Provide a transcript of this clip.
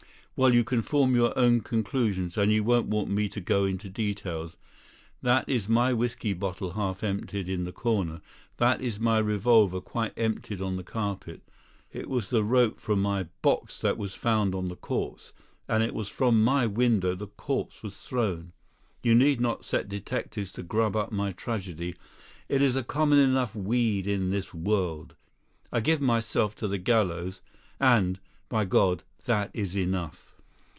Well, you can form your own conclusions, and you won't want me to go into details. That is my whisky bottle half emptied in the corner; that is my revolver quite emptied on the carpet. It was the rope from my box that was found on the corpse, and it was from my window the corpse was thrown. You need not set detectives to grub up my tragedy; it is a common enough weed in this world. I give myself to the gallows; and, by God, that is enough!"